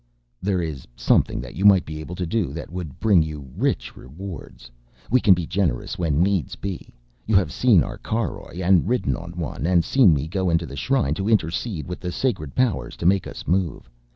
"... There is something that you might be able to do that would bring you rich rewards. We can be generous when needs be. You have seen our caroj and ridden on one, and seen me go into the shrine to intercede with the sacred powers to make us move.